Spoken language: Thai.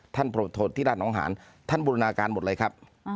โปรดโทษที่ด้านน้องหานท่านบูรณาการหมดเลยครับ